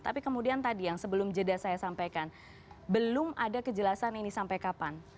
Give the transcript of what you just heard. tapi kemudian tadi yang sebelum jeda saya sampaikan belum ada kejelasan ini sampai kapan